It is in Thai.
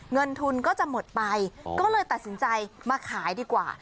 เงินทุนก็จะหมดไปก็เลยตัดสินใจมาขายดีกว่า